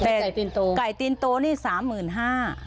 แต่ไก่ตีนโตแต่ไก่ตีนโตนี่๓๕๐๐๐บาท